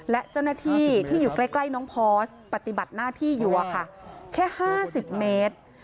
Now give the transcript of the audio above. และเจ้าหน้าที่ที่อยู่ใกล้น้องพอสปฏิบัติหน้าที่อยู่แค่๕๐เมตร